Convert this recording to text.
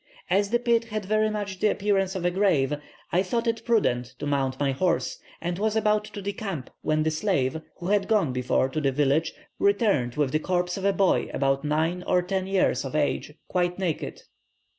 As the pit had very much the appearance of a grave, I thought it prudent to mount my horse, and was about to decamp when the slave, who had gone before to the village, returned with the corpse of a boy about nine or ten years of age, quite naked.